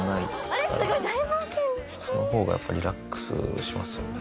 その方がやっぱリラックスしますよね。